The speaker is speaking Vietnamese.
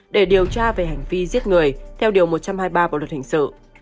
để điều tra về hành vi giết người theo điều một trăm hai mươi ba bộ luật hình sự